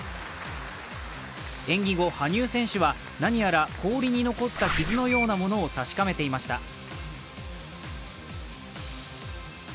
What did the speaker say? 演技後、羽生選手は何やら氷に残った傷のようなものを確かめていました。